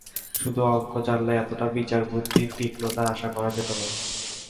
শুধু অঙ্ক জানলে অতটা বিচারবুদ্ধির তীক্ষ্ণতা আশা করা যেত না।